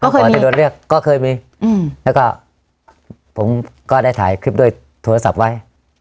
ก็เคยมีก็เคยมีอืมแล้วก็ผมก็ได้ถ่ายคลิปด้วยโทรศัพท์ไว้